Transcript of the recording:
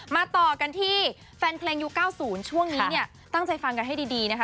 ต่อกันที่แฟนเพลงยุค๙๐ช่วงนี้เนี่ยตั้งใจฟังกันให้ดีนะคะ